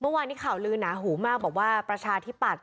เมื่อวานนี้ข่าวลือหนาหูมากบอกว่าประชาธิปัตย